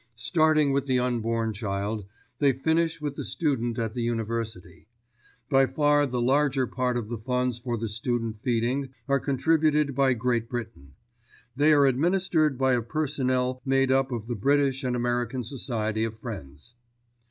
Starting with the unborn child, they finish with the student at the University. By far the larger part of the funds for the student feeding are contributed by Great Britain. They are administered by a personnel made up of the British and American Society of Friends.